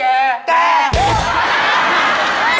ราคาไม่แพง